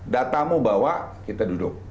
datamu bawa kita duduk